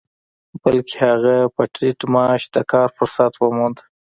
بلکې هغه په ټيټ معاش د کار فرصت وموند.